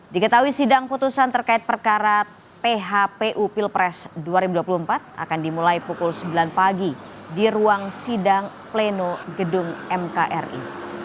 diketahui sidang putusan terkait perkara phpu pilpres dua ribu dua puluh empat akan dimulai pukul sembilan pagi di ruang sidang pleno gedung mkri